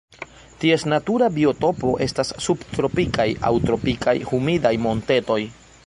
Ties natura biotopo estas subtropikaj aŭ tropikaj humidaj montetoj.